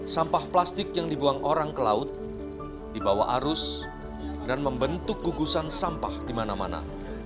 sampah plastik yang dibuang orang ke laut dibawa arus dan membentuk gugusan sampah di mana mana